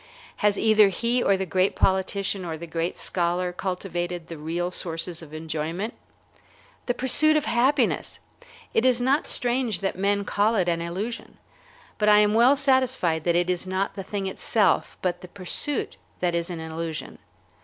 Has either he or the great politician or the great scholar cultivated the real sources of enjoyment? The pursuit of happiness! It is not strange that men call it an illusion. But I am well satisfied that it is not the thing itself, but the pursuit, that is an illusion.